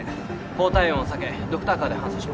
高体温を避けドクターカーで搬送します。